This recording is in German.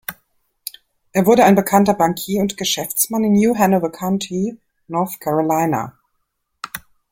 Er wurde ein bekannter Bankier und Geschäftsmann in New Hanover County, North Carolina.